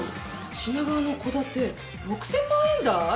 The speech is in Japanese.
品川の戸建て６０００万円台！？